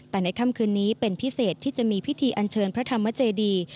แต่ในค่ำคืนนี้เป็นพิเศษที่จะมีพิธีอันเชิญพระธรรมเจดี